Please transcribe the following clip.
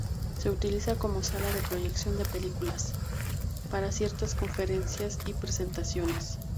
Se utiliza como sala de proyección de películas, para conciertos, conferencias y presentaciones.